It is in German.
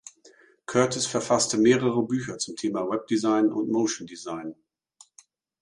Curtis verfasste mehrere Bücher zum Thema Webdesign und Motion-Design.